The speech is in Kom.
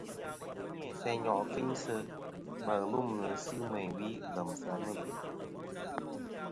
Ghɨ ni-a sɨ nyo' kfiynsɨ ma ghɨlûmnɨ sɨ meyn ɨ wi lèm sɨ mɨbè.